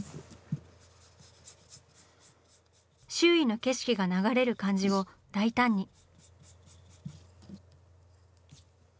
周囲の景色が流れる感じを大胆に。